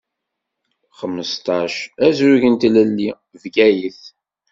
Xmesṭac, azrug n Tlelli, Bgayet.